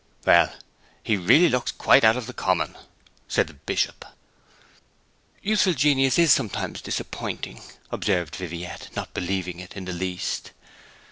'Well, he really looks quite out of the common,' said the Bishop. 'Youthful genius is sometimes disappointing,' observed Viviette, not believing it in the least.